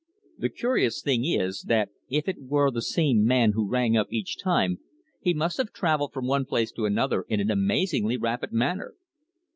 "The curious thing is, that if it were the same man who rang up each time he must have travelled from one place to another in an amazingly rapid manner."